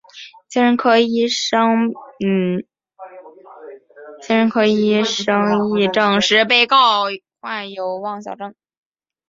精神科医生亦证实被告患有妄想症。